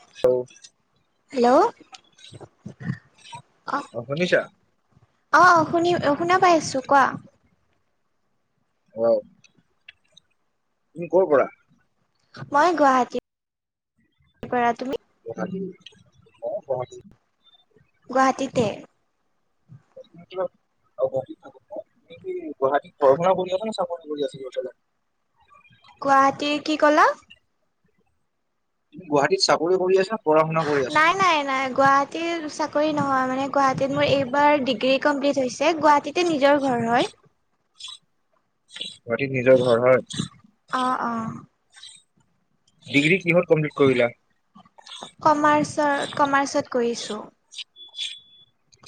[unintelligible] Hello? অ, শুনিচা? অ', অ', শুনি শুনা পাই আছো কোৱা? [unintelligible] তুমি ক'ৰ পৰা? মই গুৱাহাটী পৰা তুমি? ক, অ, ক গুৱাহাটীতে। গুৱাহিতৰ কৰি আছে নে চাপৰ্ আছে। গুৱাহাটীৰ কি ক'লা? তুমি গুৱাহাটীত চাকৰি কৰি আছা। পঢ়া শুনা কৰি আছা নাই, নাই, নাই, গাত চাকৰি নহয় মানে গুৱাহাটীত মোৰ এইবাৰ ডিগ্ৰী কমপ্লিট হৈছে গুৱাহীত। তেয়া নিজৰ ঘৰ হয়। ঘ, নিজৰ ঘৰ হয়। অ', অ'। ডিগ্ৰী কিহৰ কমপ্লিট কৰিলা? কমাৰ্চ, কমাৰ্চত কৰিছো।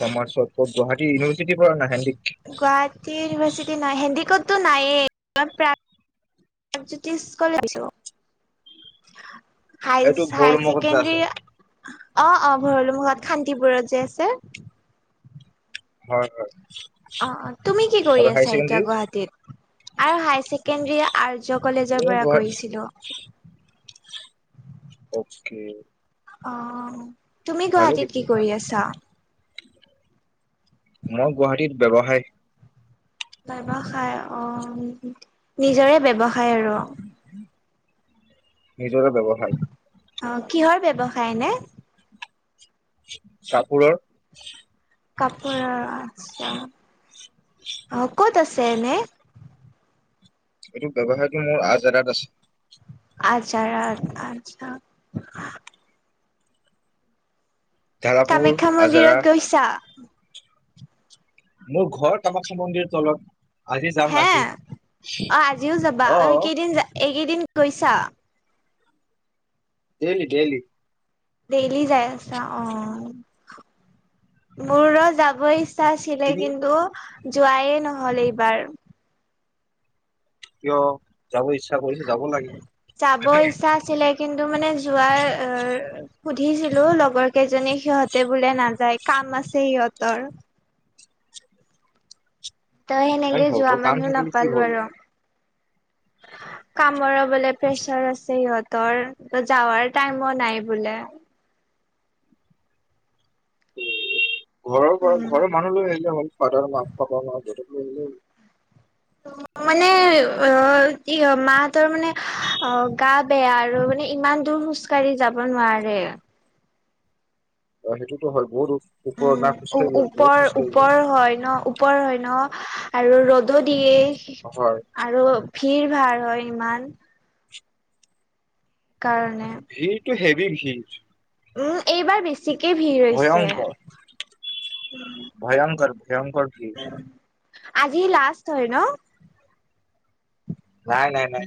কমাৰ্চত ক' গুৱাহাটী ইউনিভাৰ্চিটিৰ পৰা ন হেন্দ গুৱাহাটী ইউনিভাৰ্চিটি নহয় হেণ্ডিকতটো নায়ে প্ৰায়। প্ৰাকজ্যোতিষ কলেছ। এইটো হাই ভোৰ মখত যে ছেকেণ্ডৰী আছে। অ', অ', ভৰলো মুখত খান্তিপুৰত যে আছে। হয়, হয়। অ, তুমি কি আৰু কৰি হাই আছা এতিয়া ছেকেণ্ডাৰী গুৱাহাটীত? আৰু হায়াৰ ছেকেণ্ডাৰী আৰ্য কলেজৰ মোৰ পৰা গুৱাহাটী কৰিছিলো। অকে। অ, তুমি ভালে গুৱাহাটীত কি দেখোন কৰি আছা? মই গুৱাহাটীত ব্যৱসায় ব্যৱসায় অ, নিজৰে ব্যৱসায় আৰু নিজৰে ব্যৱসায়। অ, কিহৰ ব্যৱসায় নে। কাপোৰৰ। কাপোৰৰ আচছা অ, ক'ত আছে এনে? এইটো ব্যৱসায়তটো মোৰ আ এডাত আছে। আ্ছা, আছা। ধাৰাপুৰ কামাখ্যা আজাৰা মন্দিৰত গৈছা। মোৰ ঘৰ কামাখ্যা মন্দিৰ তলত। আজি যাম হে ৰাতি অ, আজিও যাবা অ, এই কেইদিন এইকেইদিন গৈছা। Daily, daily. ডেইলি যাই আছা অ, মোৰো যাবই। আছিলে তুমি কিন্তু যোৱায় নহল এইবাৰ। কিয় যাব ইচ্ছা কৰিছে যাব লাগে। যাব ইচ্ছা আছিলে কিন্তু মানে যোৱাৰ সুধিছিলো লগৰ কেইজনীক সিহঁতে বোলে নাযায় কাম আছে সিহঁতৰ। ত তাই সেনেকে যোৱা [unintelligible] কাম মানুহ থাকে কি নাপালো হ'ল। আৰু কামৰো বোলে প্ৰেচাৰ আছে সিহঁতৰ যাৱাৰ টাইমো নাই বোলে। ঘৰৰ পৰা, উম ঘৰৰ মানুহ লৈ আহিলে মোৰ ফাদাৰ মা পাপা বা দেউতাক লৈ আহিলে। মানে অহ, ই-মাহঁতৰ মানে অহ, গা বেয়া আৰু মানে ইমান দূৰ খোজ কালি যাব নোৱাৰে। অহ', সেইটোতো হয় বহু দূৰ। উম' ওপৰ ওপৰ হয় ন ওপৰ হয় ন। আৰু ৰ'দো দিয়ে। অহ' হয়। আৰু ভিৰ [unintelligible] হয় ইমান কাৰণে ভিৰটো হেভি উম' এইবাৰ বিছ চিকে ভি ভয়ংকৰ, ভয়ংকৰ, ভয়ংকৰ ভিৰ [unintelligible] আজি লাষ্ট হয় ন' নাই, নাই, নাই।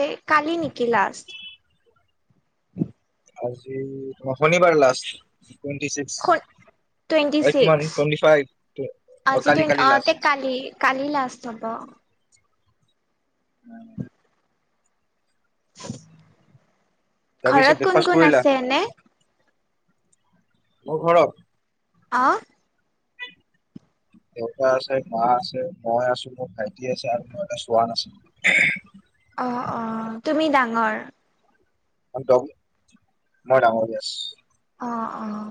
এই কালিনেকি লাষ্ট। উম [inaudible] আজি শনিবাৰে লাষ্ট টুৱেন্টি টুৱেণ্টি ছিক্স। এই কিমান ছিক্স টুৱেন্টি ফাইভ আজি কালি অ কালি তে লাষ্ট। কালি কালি লাষ্ট হ'ব। উম' [inaudible] ঘৰত তাৰপিছত কোন ব্ৰেকফাষ্ট কোন কৰিলা? আছে এনে মোৰ ঘৰত। অহ' দেউতা আছে, মা আছে, মই আছো, মোৰ ভাইটি আছে আৰু মোৰ এটা চোৱান আছে। অ' অ' তুমি ডাঙৰ। মাত্ৰ মই ডাঙৰ ইএচ্। অহ', অহ'।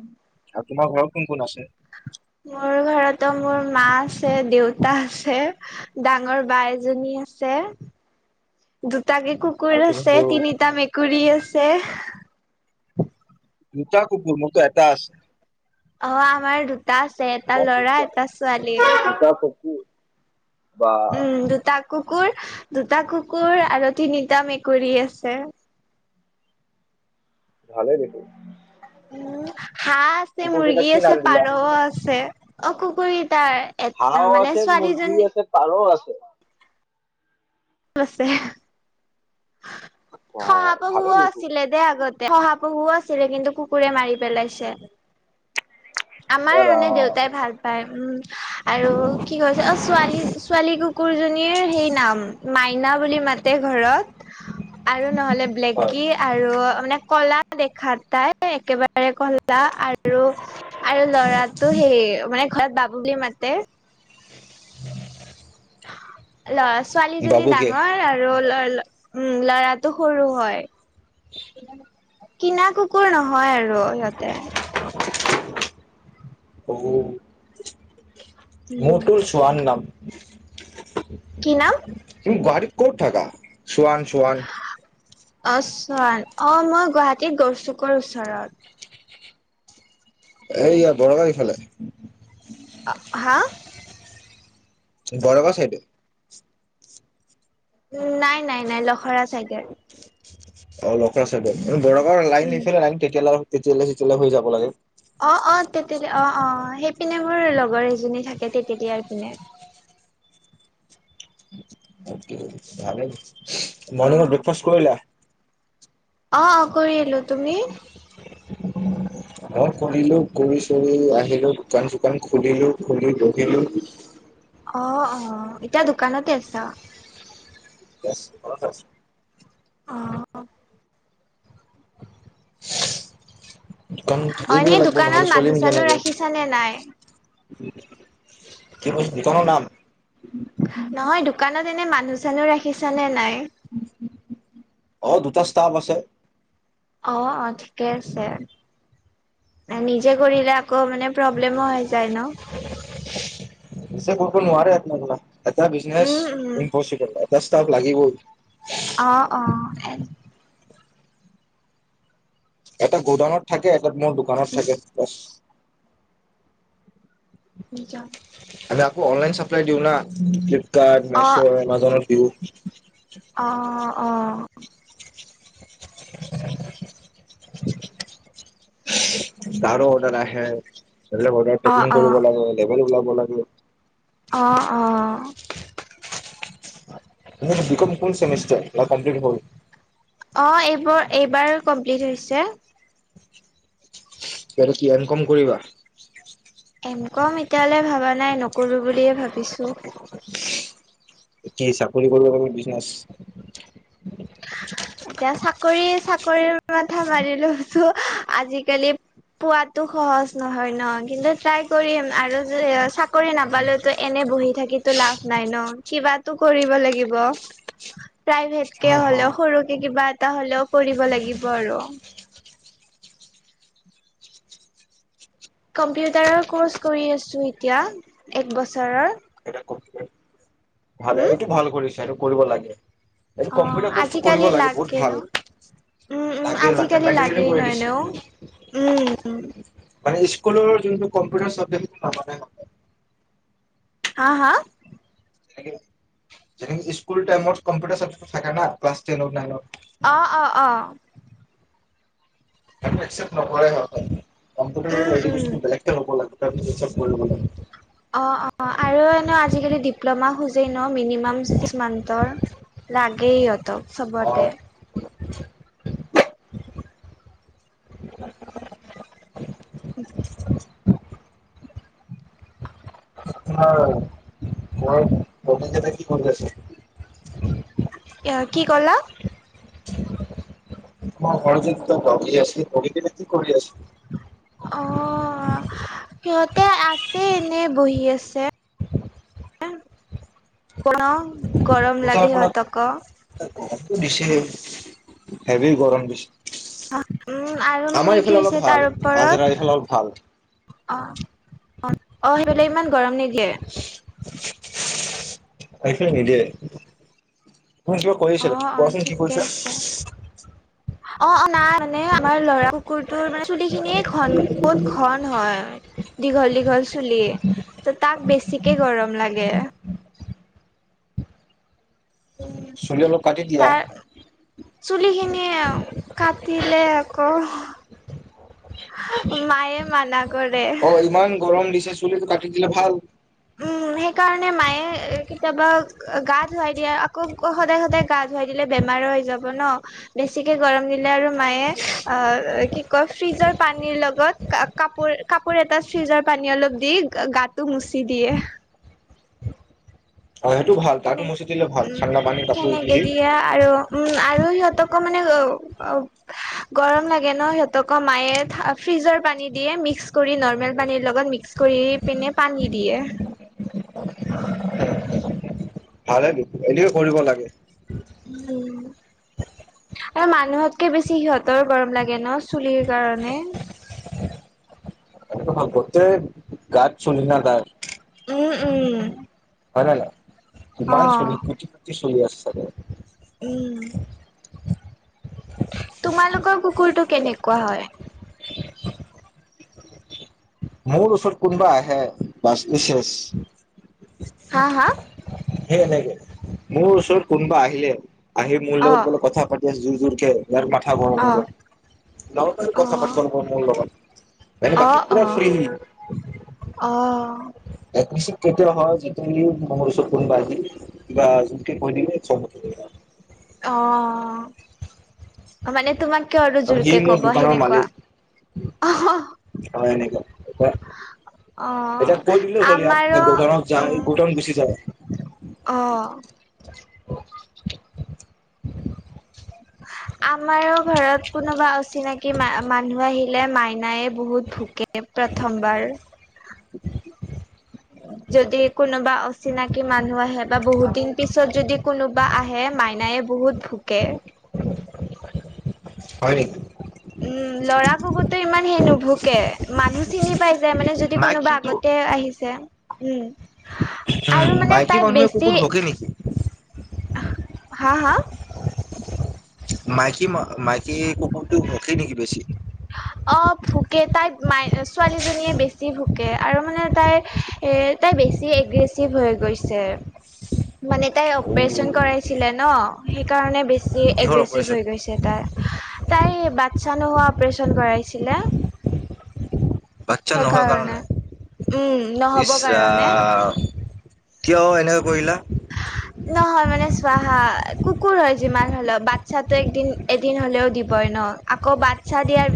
আৰু তোমাৰ ঘৰত কোন কোন আছে? মোৰ ঘৰতো মোৰ মা আছে দেউতা আছে। ডাঙৰ বা এজনী আছে দুটাকে কু আৰু কুকুৰ তুমি আছে সৰু তিনিটা মেকুৰী আছে। দুটা কুকুৰ মৰতো এটা আছে। অহ'আমাৰ দুটা আছে এটা তোমাৰ লৰা দুটা এটা ছোৱালী। দুটা চকু বাহ। উম, দুটা কুকুৰ, দুটা কুকুৰ আৰু তিনিটা মেকুৰী আছে। ভালে দেখো। উম, হাঁহ আছে, কুকুৰ কেইটাক মুৰ্গী কি আছে, নাম দিলা? পাৰও আছে, অ' কুকুৰ কেইতাৰ হাঁহও আছে, মুৰ্গী আছে, পাৰও আছে। আছে, বা ভালে শহাপহুও দেখোন। আছিলে দে আগতে, শহাপহুও আছিলে কিন্তু কুকুৰে মাৰি পেলাইছে। আমাৰ এ মানে ৰাম দেউতাই ভা পাই উম, আৰু কি কৈছে অ', ছোৱালী-ছোৱালী কুকুৰজনীৰ সেই নাম মাইনা বুলি মাতে ঘৰত, আৰু নহ'লে ব্লেক কি আৰু মানে ক'লা দেখা তাই একেবাৰে ক'লা আৰু। আৰু, আৰু ল'ৰাটো সেই মানে ঘৰত বাবু বুলি মাতে। ল, ছোৱালীজনী বাবুকে ডাঙৰ আৰু ল উ ল'ৰাটো সৰু হয়। কিনা কুকুৰ নহয় আৰু সিহতে পু উম মতুৰ চোৱান নাম। কি নাম? তুমি গুৱাহাটীত ক'ত থাকা চোৱান, চোৱান। অ, চান অ, মই গুৱাহাটীত গৈছো ক ওচৰত। এইয় বৰগাড়ীফালে। হা। বৰগৰছ সেইটো। উ, নাই, নাই, নাই লখৰা চাইগোৰ। অ, লকৰা চডত বৰৰ উম লাইনফালে নাইন তেতিয়াল, তেতিয়ালে, তেতিয়ালে হৈ যাব লাগে। অ', অ', তেতেল অ', অ', সেইপিনে মোৰ লগৰ এজনী থাকে তেতেলীয়া ৰপিনে অ মৰ্ণিং ব্ৰেকফাষ্ট কৰিলা। অ', অ', কৰি আহিলো তুমি? অ, খলো কৰি চুৰি আহিলো দোকান, চুকান খুলিলো, খুলি বহিলো। অ', অ', এতিয়া দোকানতে আছা। [inaudible] অ'। অ এইবও এনেই লাগিব দোকানত নহ'লে মানুহ চলিম চানুহ কেনেকে। ৰাখিছানে নাই কি বছ কোনো নাম। নহয় দোকানত এনে মানুহ, চানুহ ৰাখিছ নে নাই। অ, দুটা ষ্টাফ আছে। অ', অ', ঠিকে আছে নিজে কৰিলো। আকৌ মানে প্ৰব্লেমো হৈ যায় ন। ছে কপ নাৰে ন ত এটা বিজনেছ উম উম ইম্পচিবল। দচটা লাগিবই। অ', অ', সে এটা গোডানত থাকে। এটা মোৰ দোকানত থাকে। নিছা। আমি আকৌ অনলাইন চাপ্লাই দিওঁ ন, ফ্লিপকাৰ্ট, মেছো, এমাজনত দিওঁ। অ'। অ [inaudible] তাৰো অৰ্ডাৰ আহে, অৰ্ডাৰ ট্ৰেকিং অ অ কৰিব লাগে, লেবেল ওলাব লাগে। অ', অ'। নে বিকম কোন চেমিষ্টাৰ কম্প্লট হ'ল। অ, এইবোৰ, এইবাৰ কমপ্লিট হৈছে। তে কি ইনকাম কৰিবা। এনকম, এতিয়ালৈ ভবা নাই নকৰো, বুলিয়ে ভাবিছো। [inaudible] কি চাকৰি কৰিব বিজনেচ এতিয়া চাকৰি, চাকৰিৰ মাথা মাৰি লোছো আজিকালি পোৱাতো সহজ নহয় ন, কিন্তু ট্ৰাই কৰিম আৰু যে চাকৰি নাপালো। ত, এনে বহি থাকো লাভ নাই ন কিবাতো কৰিব লাগিব। প্ৰাইভেটকে হা হা হলেও সৰুকে কিবা এটা হলেও কৰিব লাগিব আৰু। কম্পিউটাৰৰ কৰ্চ কৰি আছো এতিয়া এক বছৰৰ। এটা ক ভালে উম এইটো ভাল কৰিছা এইটো কৰিব লাগে এইটো অ কম্পিউটাৰ কৰ্চটো কৰিব আজিকালি লাগে বহুত ন ভাল। উম উম লাকেই লাগে আজিকালি বেটে লাগেই কৰি নহয় দিছ ন উম মানে স্কুলৰ যোনটো কম্পিউটাৰ চ [unintelligible] হা হা? যেনেকে স্কুল টাইমত কম্পিউটাৰা [unintelligible] থাকে না ক্লাছ টেনত নাইনত। আ আ আ। হেইটো একচেপ্ত নকৰে সিহঁতে, কম্পিউটাৰ উম উম [unintelligible] বেলেগকে হ'ব লগে। তাৰপিছত চব কৰিব লাগে। অ', অ', আৰু এনেও আজিকালি ডিপ্ল'মা খোজেই ন মিনিমাম ছিক্স মান্থৰ। লাগেই ইহঁতক চবতে। অ আপোনাৰ মই বতে কি কৰি আছে? এয়া কি ক'লা? তোমাৰ ঘৰত যে দুটা ডগী আছে দগী কেইটা কি কৰি আছে? অ'। সিহঁতে আছে এনে বহি আছে। [unintelligible] গৰম দুটা লাগে আপোনাক হিহঁতকো। গৰমটো দিছেহে, হেভী গৰম দিছে। উম, আৰু আমাৰ মানে কি এইফালে অলপ হৈছে ভাল তাৰ আজাৰা ওপৰত এইফালে অলপ ভাল। অ' অ' অ', হিফালে ইমান গৰম নিদিয়ে। আ হিছিল নিদিয়ে, তুমি কিবা কৈ আছিলা অ', অ', কোৱাচোন কি ঠিকে কৈছা। আছে অ', অ', নাই মানে আমাৰ লৰা কুকুৰটোৰ মানে চুলি খিনিয়ে ঘন বহুত ঘন হয় দীঘল দীঘল চুলি ত' তাক বেছিকে গৰম লাগে। চুলি অলপ কাটি দিয়া। তাৰ চুলি খিনি কাটিলে আকৌ মায়ে মানাক অ' ইমান গৰম দিছে চুলিতটো কাটি দিলে ভাল। উম সেইকাৰণে মায়ে কেতিয়াবা গা ধুৱাই দিয়ে আকৌ সদায় সদায় গা ধুৱাই দিলে বেমাৰো হৈ যাব ন'। বেছিকে গৰম নিলে আৰু মায়ে অ' কি কয় ফ্ৰিজৰ পানীৰ লগত কা-কাপোৰ কাপোৰ এটা ফ্ৰিজৰ পানী অলপ দি গা-গাটো মুচি দিয়ে। হয় সেইটো ভাল তাতো সেনে মুচি দিলে ভাল উম ঠাণ্ডা পানী কাপোৰ সেনেকে দিয়ে [unintelligible] আৰু উম আৰু সিহঁতকো মানে আও আও গৰম লাগে ন সিহঁতক মায়ে ফ্ৰিজৰ পানী দিয়ে মিক্স কৰি নৰ্মেল পানীৰ লগত মিক্স কৰি পিনে পানী দিয়ে। ভালেটো এইটোকে কৰিব লাগে। উম। আৰু মানুহতকে বেছি সিহঁতৰ গৰম লাগে ন চুলিৰ কাৰণে। গোতে গা চুলি না তাৰ। উম উম। হয় নে নাই? অ কিমান চুলি কোটি কোটি চুলি আছে ছাগে। উম। তোমালোকৰ কুকুৰটো কেনেকুৱা হয়? মোৰ ওচৰত কোনবা আহে বাছ ই চেছ। হা হা সেই এনেকে, মোৰ ওচৰত কোনোবা আহিলে আহি মোৰ অ লগত বোলে কথা পাতি জোৰ জোৰকে ইয়াৰ পাঠ গৰম অ যাব, গাঁৱত আৰু অ কথা পাতিব নকৰ মোৰ লগত। মানে বাকী পুৰা ফ্ৰী অ', অ', অ'। একমিচিক কেতিয়াও হয় যিটো সি মুৰ উচত কোনবা আহি কিবা যুৰকে কৈ দিলে খং উঠি যাই। অ', মানে তোমাক কিয় আৰু সি জোৰকে মোৰ কব দোকানৰ মালিক সেনেকুৱা। আহা। হয় এনেকা। অ, ইয়াক আমাৰো যে গোডাউনত যা উম, গোডাউন গুচি যায় অ'। আমাৰো ঘৰত কোনোবা অচিনাকি মানুহ আহিলে মাইনাই বহুত ভকে প্ৰথমবাৰ [inaudible] যদি কোনোবা অচিনাকি মানুহ আহে বা বহুত দিন পিছত যদি কোনোবা আহে মাইনায়ে বহুত থুকে। হয়, নেকি। উম, ল'ৰা ভোকুতো ইমান সেই নুভোকে মানুহ চিনি পাই যায় মানে যদি কোনোবা মাইকীটো আগত আহিছে উম, উম আৰু মানে মাইকী তাই মানুহে বেছি কুকুৰ ভোকে নেকি হা, হা। মাইকী ম, মাইকী কুকুৰটো ৰখি নেকি বেছি? অ, ভুকে তাই মাই ছোৱালীজনীয়ে বেছি ভোকে আৰু মানে তাইৰ এ, তাই বেছি এগ্ৰেচিভ হৈ গৈছে। মানে তাই অ', অপৰেচন কৰাইছিলে ন সেইকাৰণে বেছ কিহৰ এগ্ৰেছিভ অপাৰেচন? হৈ গৈছে তাই, তাই বাচ্ছা নোহোৱা অপাৰেচন কৰাইছিলে। বাচ্ছা নোহোৱা সেইকাৰণে। কাৰণে উম নহ'ব ইছৰা। কাৰণে। কিয় এনেকৈ কৰিলা? নহয় মানে চাহা কুকুৰ হয় যিমান হলেও বাচ্ছাতটো এদিন এদিন হলেও দিবই ন। আকৌ বচ্ছা দিয়াৰ